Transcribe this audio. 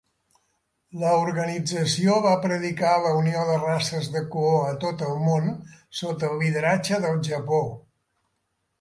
La organització va predicar la unió de races de color a tot el món sota el lideratge del Japó.